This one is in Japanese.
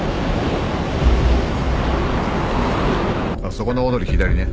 そこの大通り左ね。